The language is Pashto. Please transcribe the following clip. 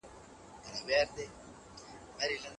زه اوس د امیل دورکهایم نظریات لولم.